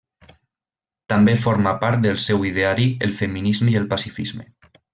També forma part del seu ideari el feminisme i el pacifisme.